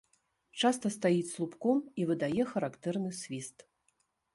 Часта стаіць слупком і выдае характэрны свіст.